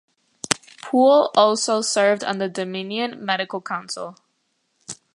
Poole also served on the Dominion Medical Council.